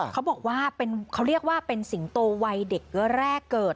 เขาเรียกว่าเป็นสิงโตวัยเด็กแร่เกิด